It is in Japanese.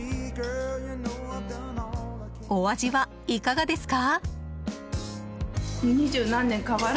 お味はいかがですか？